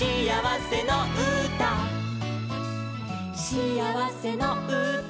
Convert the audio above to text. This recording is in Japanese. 「しあわせのうた」